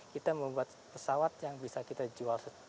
kita membuat pesawat yang bisa kita jual